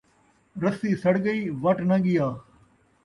رسی سڑ ڳئی ، وٹ ناں ڳیا